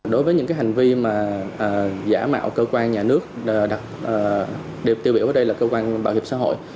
đối với những hành vi giả mạo cơ quan nhà nước đẹp tiêu biểu ở đây là cơ quan bảo hiểm xã hội